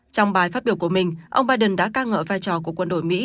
trong bài phát biểu của mình ông biden đã ca ngợi vai trò của quân đội mỹ